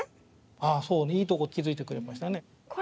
あそういいとこ気付いてくれましたね。